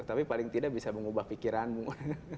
tapi paling tidak bisa mengubah pikiranmu